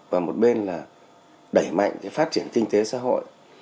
và một bên là đẩy mạnh phát triển kinh tế xã hội